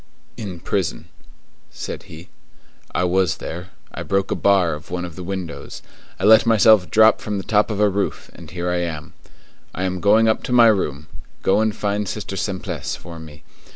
"In prison," said he. "I was there; I broke a bar of one of the windows; I let myself drop from the top of a roof, and here I am. I am going up to my room; go and find Sister Simplice for me.